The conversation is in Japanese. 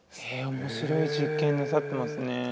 面白い実験なさってますね。